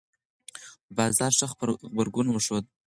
بازار ښه غبرګون وښود.